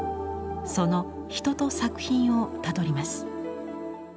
その人と作品をたどります。